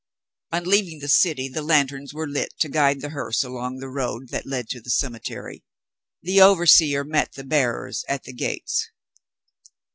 On leaving the city, the lanterns were lit to guide the hearse along the road that led to the cemetery. The overseer met the bearers at the gates.